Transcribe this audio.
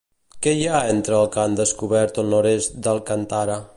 Què hi ha entre el que han descobert al nord-est d'Al-Kantarah?